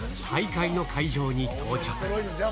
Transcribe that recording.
大会の会場に到着。